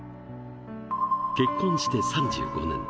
結婚して３５年。